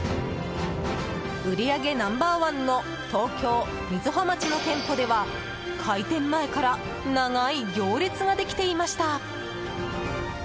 売り上げナンバー１の東京・瑞穂町の店舗では開店前から長い行列ができていました。